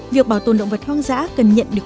việc bảo tồn động vật hoang dã cần nhận được